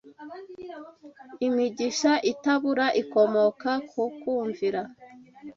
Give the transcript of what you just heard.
imigisha itabura ikomoka ku kumvira